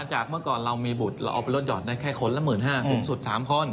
เมื่อก่อนเรามีบุตรเราเอาไปลดหอดได้แค่คนละ๑๕๐๐สูงสุด๓คน